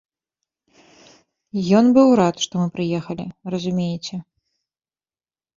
Ён быў рад, што мы прыехалі, разумееце.